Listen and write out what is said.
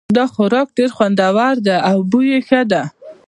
دا خوراک ډېر خوندور ده او بوی یې ښه ده